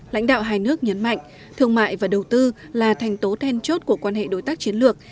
lãnh đạo hai nước nhấn mạnh thương mại và đầu tư là thành tố then chốt của quan hệ đối tác chiến lược